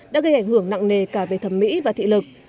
đã gây ảnh hưởng nặng nề cả về thẩm mỹ và thị lực